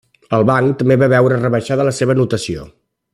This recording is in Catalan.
El banc també va veure rebaixada la seva notació.